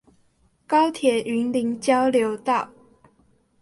高鐵雲林交流道